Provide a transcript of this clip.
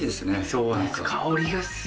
そうなんですよ。